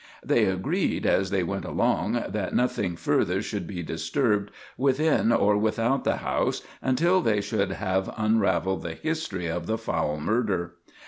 They agreed, as they went along, that nothing further should be disturbed within or without the house until they should have unraveled the history of the foul murder.